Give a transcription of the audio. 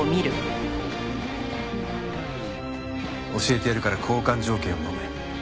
教えてやるから交換条件をのめ。